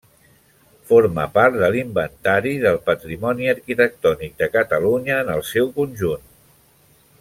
Forma part de l'Inventari del Patrimoni Arquitectònic de Catalunya en el seu conjunt.